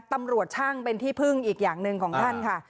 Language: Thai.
ตำรวจช่างเป็นที่พึ่งอีกอย่างหนึ่งของท่านค่ะ